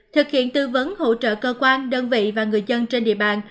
thực hiện tư vấn hỗ trợ cơ quan đơn vị và người dân trên địa bàn